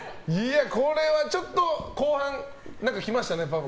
これはちょっと後半来ましたね、パパ。